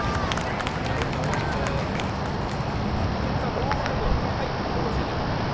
堂前君、よろしいでしょうか？